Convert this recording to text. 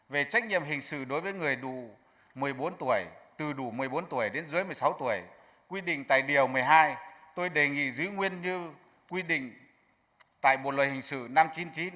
về trách nhiệm hình sự đối với người đủ một mươi bốn tuổi từ đủ một mươi bốn tuổi đến dưới một mươi sáu tuổi quy định tại điều một mươi hai tôi đề nghị giữ nguyên như quy định tại bộ luật hình sự năm chín mươi chín